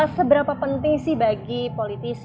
seberapa penting sih bagi politisi